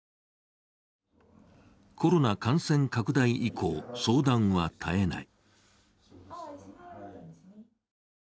コロナ感染拡大以降、相談は絶えない。